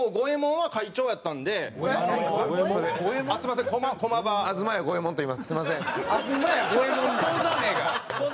はい？